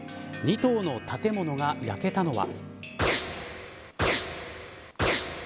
２棟の建物が焼けたのは。